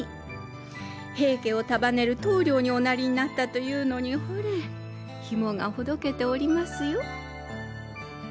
平家を束ねる棟梁におなりになったというのにほれひもがほどけておりますよ。